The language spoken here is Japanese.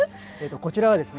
こちらはですね